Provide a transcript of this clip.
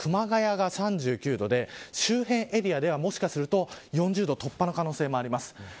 周辺エリアでは、もしかすると４０度突破の可能性もあります。